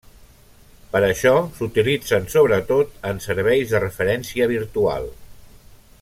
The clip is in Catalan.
Per això s'utilitzen sobretot en serveis de referència virtual.